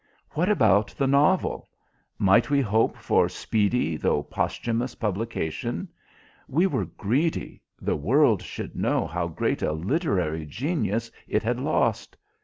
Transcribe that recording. "What about the novel? Might we hope for speedy, though posthumous, publication? We were greedy; the world should know how great a literary genius it had lost.